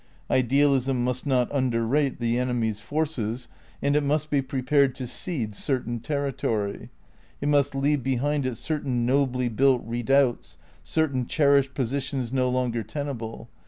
Idealism must not underrate the enemy's forces, and 14 THE NEW IDEALISM i it must be prepared to cede certain temtoiy. It must leave behind it certain nobly built redoubts, certain, cherished positions no longer tenable.